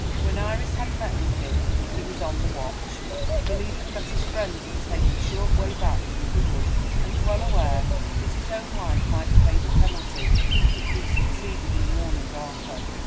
When Iris had met with him he was on the watch, believing that his friend would take the short way back through the wood, and well aware that his own life might pay the penalty if he succeeded in warning Arthur.